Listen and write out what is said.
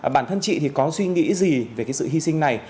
bản thân chị thì có suy nghĩ gì về cái sự hy sinh này